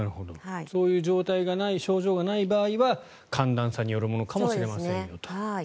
そういう状態がない症状がない場合は寒暖差によるものかもしれませんよと。